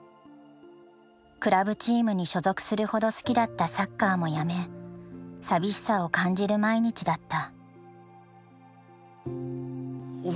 クラブチームに所属するほど好きだったサッカーもやめ寂しさを感じる毎日だった。